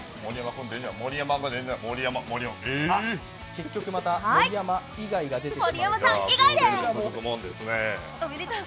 結局、また盛山以外が出てしまうという。